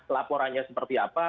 laporannya seperti apa